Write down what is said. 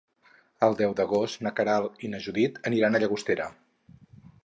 El deu d'agost na Queralt i na Judit aniran a Llagostera.